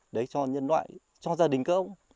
đấy cho nhân loại cho gia đình các ông